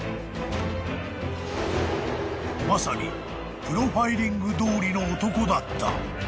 ［まさにプロファイリングどおりの男だった］